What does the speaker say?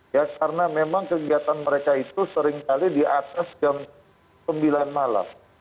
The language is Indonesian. ya karena memang kegiatan mereka itu seringkali di atas jam sembilan malam